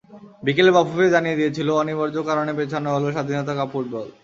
বিকেলে বাফুফে জানিয়ে দিয়েছিল, অনিবার্য কারণে পেছানো হলো স্বাধীনতা কাপ ফুটবল।